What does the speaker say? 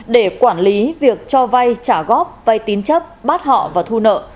để quản lý việc cho vay trả góp vay tín chấp bắt họ và thu nợ